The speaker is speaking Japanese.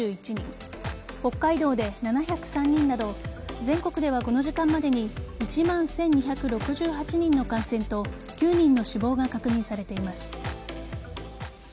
北海道で７０３人など全国ではこの時間までに１万１２６８人の感染と９人の死亡が確認されています。